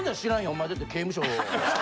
お前だって刑務所。